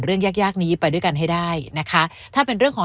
ยากยากนี้ไปด้วยกันให้ได้นะคะถ้าเป็นเรื่องของ